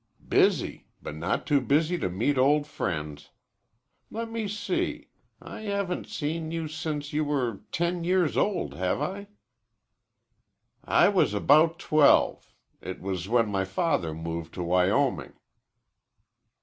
"Busy, but not too busy to meet old friends. Let me see. I haven't seen you since you were ten years old, have I?" "I was about twelve. It was when my father moved to Wyoming."